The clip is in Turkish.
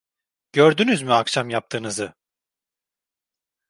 Gördünüz mü akşam yaptığınızı?